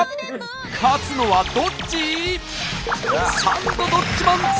勝つのはどっち？